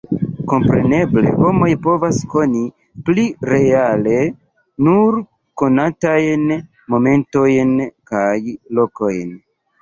Kompreneble homoj povas koni pli reale nur konatajn momentojn kaj lokojn.